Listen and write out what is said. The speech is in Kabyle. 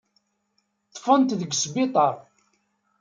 Ṭṭfen-t deg sbiṭar.